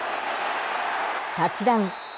タッチダウン。